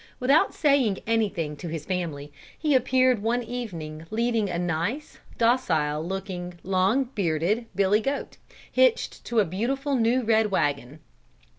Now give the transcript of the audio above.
Without saying anything to his family, he appeared one evening leading a nice, docile looking, long bearded Billy goat, hitched to a beautiful new red wagon.